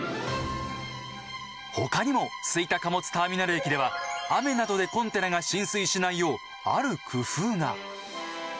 他にも吹田貨物ターミナル駅では雨などでコンテナが浸水しないようある工夫が。